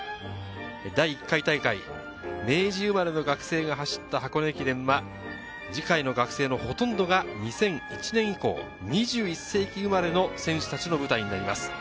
第１回大会、明治生まれの学生が走った箱根駅伝は次回の学生のほとんどが２００１年以降、２１世紀生まれの選手たちの舞台になります。